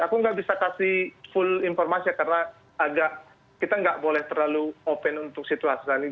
aku nggak bisa kasih full informasi karena agak kita nggak boleh terlalu open untuk situasinya